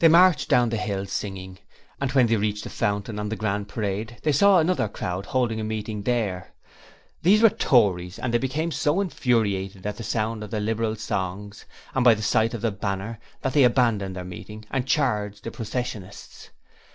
They marched down the hill singing, and when they reached the Fountain on the Grand Parade they saw another crowd holding a meeting there. These were Tories and they became so infuriated at the sound of the Liberal songs and by the sight of the banner, that they abandoned their meeting and charged the processionists.